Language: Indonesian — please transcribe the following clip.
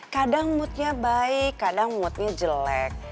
kadang moodnya baik kadang moodnya jelek